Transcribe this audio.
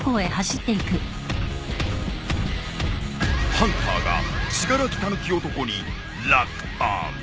ハンターが信楽たぬき男にロックオン！